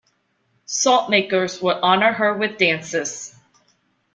Salt makers would honor her with dances.